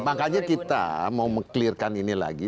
makanya kita mau meng clearkan ini lagi